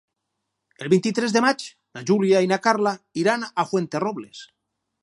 El vint-i-tres de maig na Júlia i na Carla iran a Fuenterrobles.